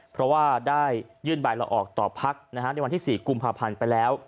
เพราะว่าได้ยื่นใบละออกต่อพักในวันที่๔กุมภาพันธ์ไปแล้ว